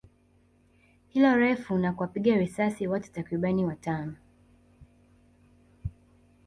hilo refu na kuwapiga risasi watu takribani watano